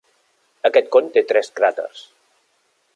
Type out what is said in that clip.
Aquest con té tres cràters.